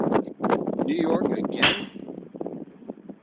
New York again.